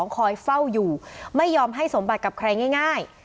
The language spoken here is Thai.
คอยเฝ้าอยู่ไม่ยอมให้สมบัติกับใครง่าย